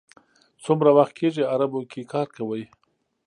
څومره وخت کېږي عربو کې کار کوئ.